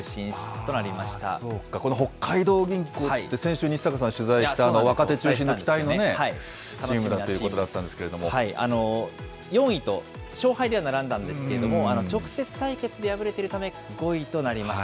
そうか、この北海道銀行って先週、西阪さんが取材した若手中心の期待のチームだということだったん４位と勝敗では並んだんですけれども、直接対決で敗れてるため、５位となりました。